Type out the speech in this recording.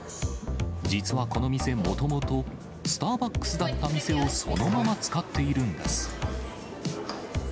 実はこの店、もともとスターバックスだった店をそのまま使っているんです。